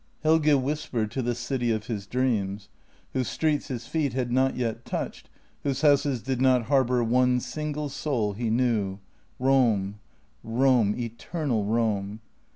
Helge whispered to the city of his dreams, whose streets his feet had not yet touched, whose houses did not harbour one single soul he knew: "Rome — Rome — eternal Rome."